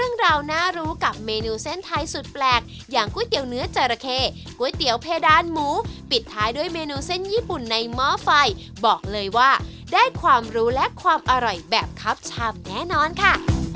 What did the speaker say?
เรื่องราวน่ารู้กับเมนูเส้นไทยสุดแปลกอย่างก๋วยเตี๋ยวเนื้อจราเข้ก๋วยเตี๋ยวเพดานหมูปิดท้ายด้วยเมนูเส้นญี่ปุ่นในหม้อไฟบอกเลยว่าได้ความรู้และความอร่อยแบบคับชามแน่นอนค่ะ